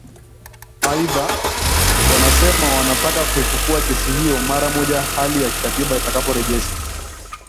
Aidha wanasema wanataka kuifufua kesi hiyo mara moja hali ya kikatiba itakaporejeshwa